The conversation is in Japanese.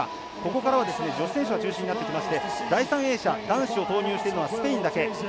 ここからは女子選手が中心になってきまして第３泳者、男子を投入しているのはスペインだけ。